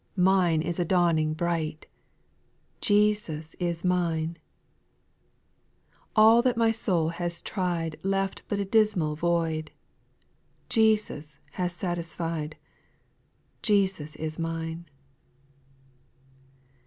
Mine is a dawning bright, Jesus is mine 1 All that my soul has tried Left but a dismal void ; Jesus has satisfied, — Jesus is mine